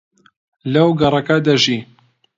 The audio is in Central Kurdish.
لەو گەڕەکە دەژی.